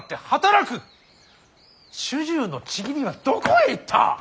主従の契りはどこへ行った。